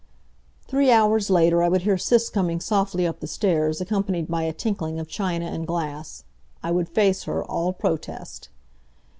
Three hours later I would hear Sis coming softly up the stairs, accompanied by a tinkling of china and glass. I would face her, all protest.